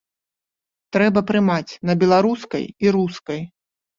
Трэба прымаць на беларускай і рускай!